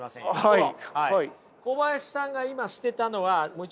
はい。